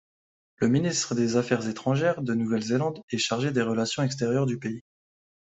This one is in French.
Le ministre des Affaires étrangères de Nouvelle-Zélande est chargé des relations extérieures du pays.